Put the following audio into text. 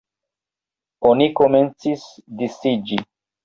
Oni komencis disiĝi.